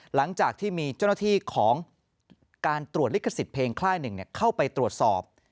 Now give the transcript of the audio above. หลังจากที่มีเจ้าหน้าที่ของการตรวจลิขสิทธิ์เพลงค่ายหนึ่งเข้าไปตรวจสอบ